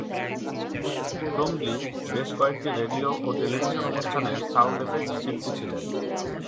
টোম্বলি বেশ কয়েকটি রেডিও ও টেলিভিশন অনুষ্ঠানের সাউন্ড-এফেক্ট শিল্পী ছিলেন।